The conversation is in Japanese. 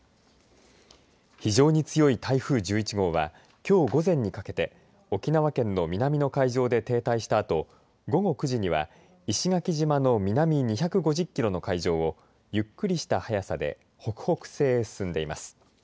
非常に強い台風１１号はきょう午前にかけて沖縄県の南の海上で停滞したあと午後９時には石垣島の南２５０キロの海上をゆっくりした速さで北北西へ進んでいます。